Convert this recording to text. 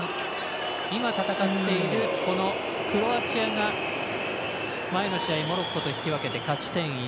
今、戦っている、クロアチアが前の試合、モロッコと引き分けて勝ち点１。